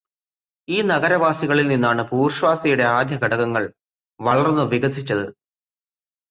ഈ നഗരവാസികളിൽ നിന്നാണു് ബൂർഷ്വാസിയുടെ ആദ്യഘടകങ്ങൾ വളർന്നുവികസിച്ചതു്.